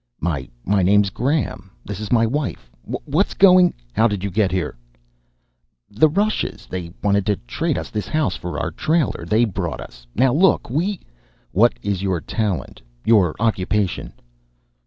"My name's Graham. This is my wife. What's going " "How did you get here?" "The Rushes they wanted to trade us this house for our trailer. They brought us. Now look, we " "What is your talent your occupation?"